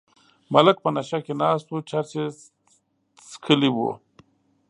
ملک په نشه کې ناست و چرس یې څکلي وو.